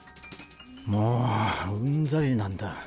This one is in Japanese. もううんざりなんだ。